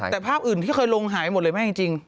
แต่ภาพอื่นที่เคยลงหายหมดเลยแม่จริง